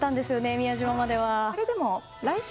宮島までは。